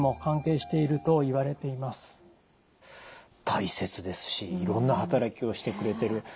大切ですしいろんな働きをしてくれてる。